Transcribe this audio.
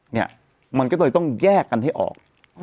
เนี่ยมันก็เลยต้องแยกกันให้ออก